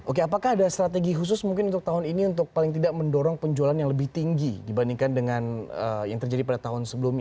oke apakah ada strategi khusus mungkin untuk tahun ini untuk paling tidak mendorong penjualan yang lebih tinggi dibandingkan dengan yang terjadi pada tahun sebelumnya